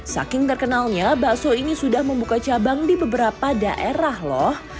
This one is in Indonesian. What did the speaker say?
saking terkenalnya bakso ini sudah membuka cabang di beberapa daerah loh